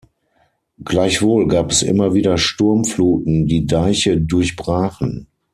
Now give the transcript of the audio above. Gleichwohl gab es immer wieder Sturmfluten, die Deiche durchbrachen.